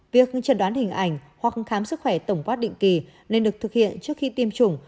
việc trần đoán hình ảnh hoặc khám sức khỏe tổng quát định kỳ nên được thực hiện trước khi tiêm chủng